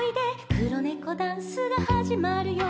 「くろネコダンスがはじまるよ」